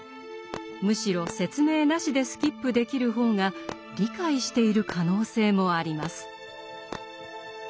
むしろ説明なしでスキップできる方が理解している可能性もあります。